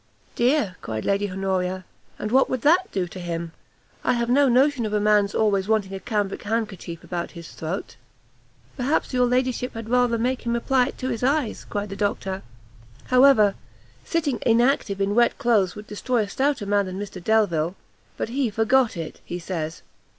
"Dear," cried Lady Honoria, "and what would that do to him? I have no notion of a man's always wanting a cambric handkerchief about his throat." "Perhaps your ladyship had rather make him apply it to his eyes?" cried the doctor; "however, sitting inactive in wet cloaths would destroy a stouter man than Mr Delvile; but he forgot it, he says!